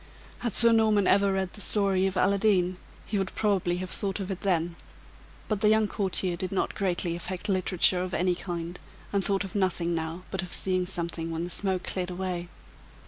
Had Sir Norman ever read the story of Aladdin, he would probably have thought of it then; but the young courtier did not greatly affect literature of any kind, and thought of nothing now but of seeing something when the smoke cleared away.